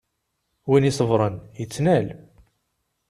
Win iṣebṛen, ittnal.